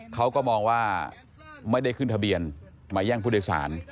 เขาก็มองว่าไม่ได้ขึ้นทะเบียนมาแย่งผู้โดยสาร